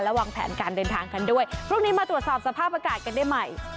วางแผนการเดินทางกันด้วยพรุ่งนี้มาตรวจสอบสภาพอากาศกันได้ใหม่